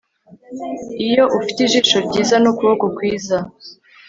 iyo ufite ijisho ryiza n'ukuboko kwiza